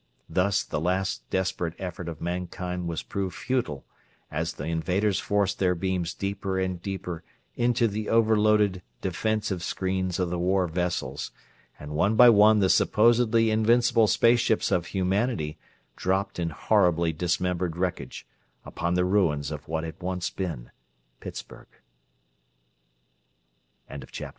Thus the last desperate effort of mankind was proved futile as the invaders forced their beams deeper and deeper into the overloaded, defensive screens of the war vessels; and one by one the supposedly invincible space ships of humanity dropped in horribly dismembered wreckage upon the ruins of what had once been Pittsburgh. CHAPTER IX Speci